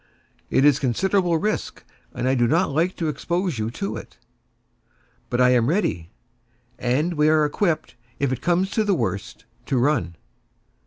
It is considerable risk, and I do not like to expose you to it." "But I am all ready; and we are equipped, if it comes to the worst, to run!"